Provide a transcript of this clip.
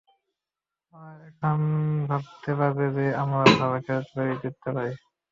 ওরা এখন ভাবতে পারবে যে, আমরাও ভালো খেলতে পারি, জিততে পারি।